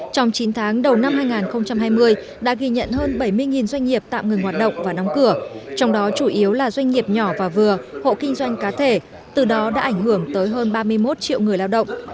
trong chín tháng đầu năm hai nghìn hai mươi đã ghi nhận hơn bảy mươi doanh nghiệp tạm ngừng hoạt động và đóng cửa trong đó chủ yếu là doanh nghiệp nhỏ và vừa hộ kinh doanh cá thể từ đó đã ảnh hưởng tới hơn ba mươi một triệu người lao động